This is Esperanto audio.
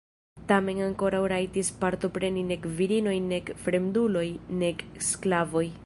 Tamen ankoraŭ rajtis partopreni nek virinoj nek fremduloj nek sklavoj.